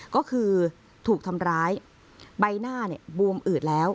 ก็คือถูกทำร้ายใบหน้าบวมอืดแล้ว